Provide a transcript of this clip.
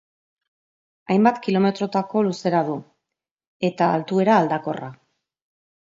Hainbat kilometrotako luzera du eta altuera aldakorra.